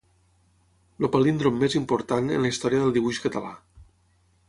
El palíndrom més important en la història del dibuix català.